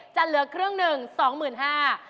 จะเหลือครึ่งหนึ่ง๒๕๐๐บาท